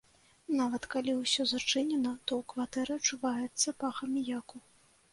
Нават, калі ўсё зачынена, то ў кватэры адчуваецца пах аміяку.